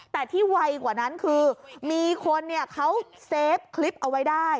แต่ที่ไวกว่านั้นคือมีคนเขาเซฟคลิปเอาไว้ได้